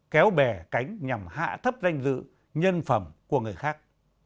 kéo bè cánh nhằm hạ thấp danh dự nhân phẩm của người khác